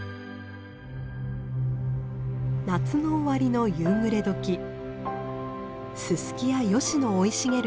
夏の終わりの夕暮れ時ススキやヨシの生い茂る